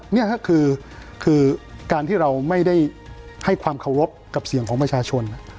นี่ก็คือการที่เราไม่ได้ให้ความเคารพกับเสียงของประชาชน